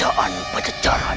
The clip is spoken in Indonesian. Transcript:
aku yang di depan